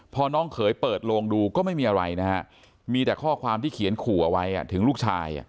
พอน้องเขยเปิดโลงดูก็ไม่มีอะไรนะฮะมีแต่ข้อความที่เขียนขู่เอาไว้ถึงลูกชาย